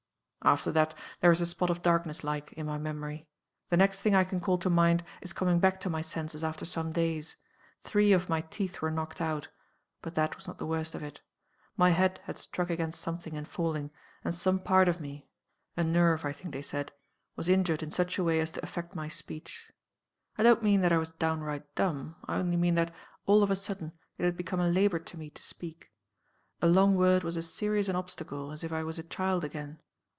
"After that, there is a spot of darkness like in my memory. The next thing I can call to mind, is coming back to my senses after some days. Three of my teeth were knocked out but that was not the worst of it. My head had struck against something in falling, and some part of me (a nerve, I think they said) was injured in such a way as to affect my speech. I don't mean that I was downright dumb I only mean that, all of a sudden, it had become a labor to me to speak. A long word was as serious an obstacle as if I was a child again.